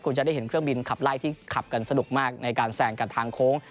คุณจะได้เห็นเครื่องบินขับไล่ที่ขับกันสนุกมากในการแซงกับทางโค้ง